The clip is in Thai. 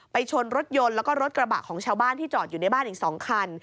ชนรถยนต์แล้วก็รถกระบะของชาวบ้านที่จอดอยู่ในบ้านอีก๒คัน